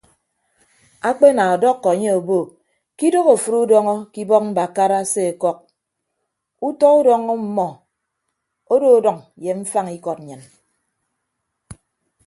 Akpe ana ọdọkọ anye obo ke idoho afịd udọñọ ke ibọk mbakara aseọkọk utọ udọñọ ọmmọ odo ọdʌñ ye mfañ ikọd nnyịn.